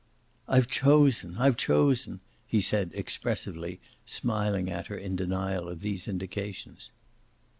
"I've chosen I've chosen," he said expressively, smiling at her in denial of these indications.